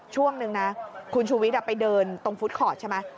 ช่วงนึงนะคุณชูวิทย์ไปเดินตรงฟุตคอร์ดใช่ไหม